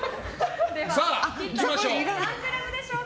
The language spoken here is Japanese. さあ、何グラムでしょう。